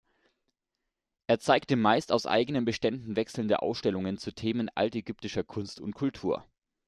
Es zeigte meist aus eigenen Beständen wechselnde Ausstellungen zu Themen altägyptischer Kunst und Kultur.